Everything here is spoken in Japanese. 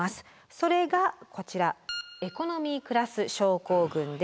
それがこちら「エコノミークラス症候群」です。